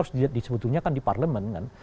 itu harus disebutinnya kan di parlemen kan